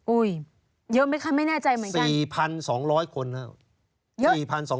อุ๊ยเยอะไหมคะไม่แน่ใจเหมือนกัน